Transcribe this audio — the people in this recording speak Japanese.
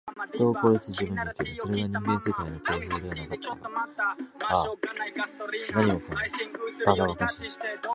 人を殺して自分が生きる。それが人間世界の定法ではなかったか。ああ、何もかも、ばかばかしい。